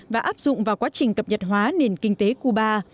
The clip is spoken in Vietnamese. và áp dụng vào quá trình cập nhật hóa nền kinh tế cuba